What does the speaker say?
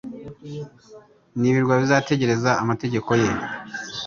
n’ibirwa bizategereza amategeko ye